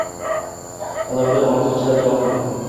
Inomjon ortiq chidab turolmadi